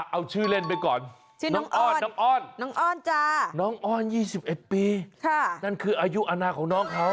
เอาชื่อเล่นไปก่อนชื่อน้องอ้อนน้องอ้อน๒๑ปีนั่นคืออายุอาณาของน้องเขา